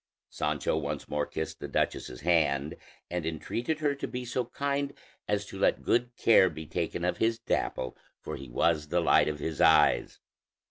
Sancho once more kissed the duchess's hand, and entreated her to be so kind as to let good care be taken of his Dapple, for he was the light of his eyes.